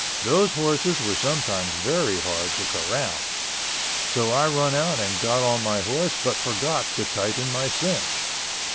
Those horses were sometimes very hard to corral. So I run out and got on my horse but forgot to tighten my cinch.